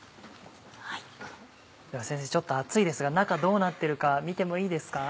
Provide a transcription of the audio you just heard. では先生ちょっと熱いですが中どうなってるか見てもいいですか？